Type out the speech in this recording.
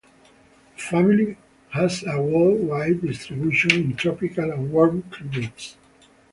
The family has a worldwide distribution in tropical and warm climates.